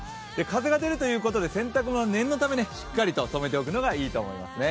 風が出るということで、洗濯物は念のためにしっかりととめておくのがよさそうですね。